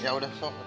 ya udah sok